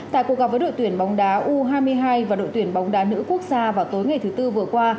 tại cuộc gặp với đội tuyển bóng đá u hai mươi hai và đội tuyển bóng đá nữ quốc gia vào tối ngày thứ tư vừa qua